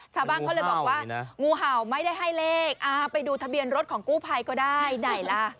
ชาวบ้านเขาเลยบอกว่างูเห่าไม่ได้ให้เลขไปดูทะเบียนรถของกู้ภัยก็ได้ไหนล่ะ